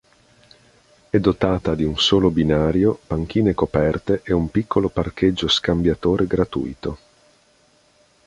È dotata di un solo binario, panchine coperte e un piccolo parcheggio scambiatore gratuito.